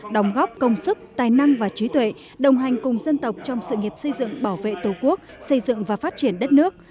đồng góp công sức tài năng và trí tuệ đồng hành cùng dân tộc trong sự nghiệp xây dựng bảo vệ tổ quốc xây dựng và phát triển đất nước